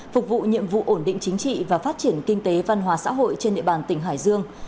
phục vụ nhiệm vụ ổn định chính trị và phát triển kinh tế văn hóa xã hội trên địa bàn tỉnh hải dương